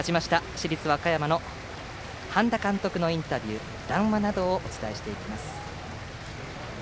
市立和歌山の半田監督そのインタビュー、談話などをお伝えしていきます。